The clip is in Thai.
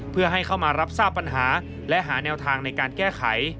เพื่อให้เข้ามารับทราบปัญหาและหาแนวทางในการแก้ไข